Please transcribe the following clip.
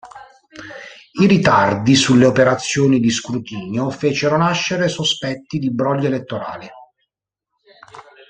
I ritardi sulle operazioni di scrutinio fecero nascere sospetti di brogli elettorali.